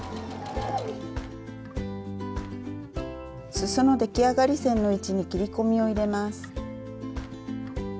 すその出来上がり線の位置に切り込みを入れます。